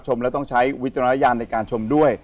แล้วต้องใช้วิจารณญาณในการชมด้วย